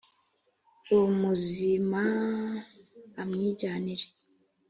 umuzima amwijyanire